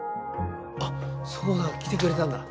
あっそうなの？来てくれたんだ。